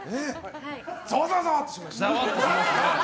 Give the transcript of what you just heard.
ざわざわっとしました。